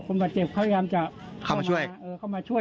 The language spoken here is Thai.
คนบาดเจ็บเขายามจะเข้ามาช่วย